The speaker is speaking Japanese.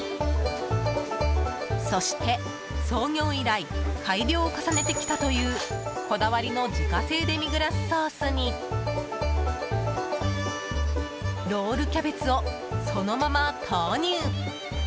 そして、創業以来改良を重ねてきたというこだわりの自家製デミグラスソースにロールキャベツをそのまま投入。